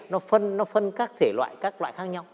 nó phân các thể loại khác nhau